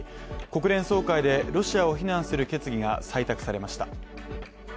国連総会でロシアを非難する決議が採択されました。